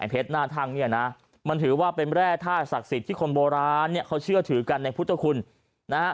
เพชรหน้าทั้งนะถือว่าเป็นแร่ท่าศักดิ์สิทธิ์ที่คนโบราณเขาเชื่อถือกันในพุทธคุณ